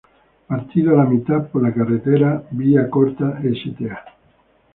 Partido a la mitad por la carretera Vía corta Sta.